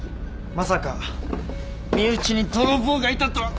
まさか身内に泥棒がいたとはね！